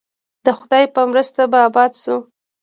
د خدای په مرسته به اباد شو؟